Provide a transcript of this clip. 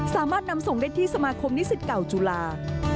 สามารถนำส่งได้ที่สมาคมนิสิตเก่าจุฬา